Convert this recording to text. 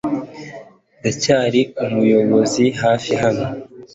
Ndacyari umuyobozi hafi hano .